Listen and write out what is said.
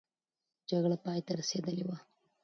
جګړه پای ته رسېدلې وه.